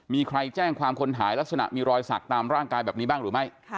มีใครแจ้งความคนหายลักษณะมีรอยสักตามร่างกายแบบนี้บ้างหรือไม่